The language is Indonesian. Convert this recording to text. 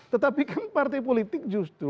tetapi kan partai politik justru